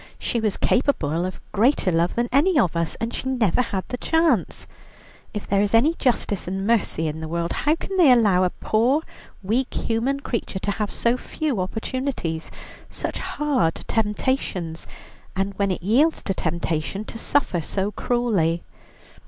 She was capable of greater love than any of us, and she never had the chance. If there is any justice and mercy in the world how can they allow a poor, weak human creature to have so few opportunities, such hard temptations, and when it yields to temptation to suffer so cruelly?